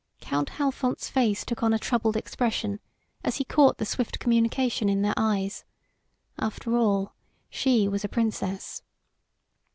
Count Halfont's face took on a troubled expression as he caught the swift communication in their eyes. After all, she was a Princess.